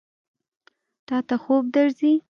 تا ته خوب درځي؟